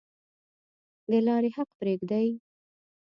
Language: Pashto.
د لارې حق پریږدئ؟